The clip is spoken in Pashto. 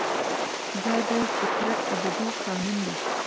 دا د فطرت ابدي قانون دی.